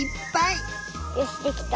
よしできた。